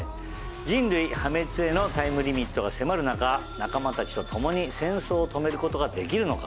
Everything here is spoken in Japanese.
人類破滅へのタイムリミットが迫る中仲間たちと共に戦争を止めることができるのか。